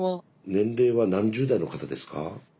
年齢は何十代の方ですか？